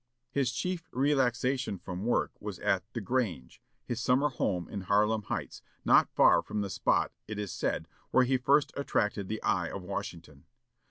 His chief relaxation from work was at "The Grange," his summer home at Harlem Heights, not far from the spot, it is said, where he first attracted the eye of Washington.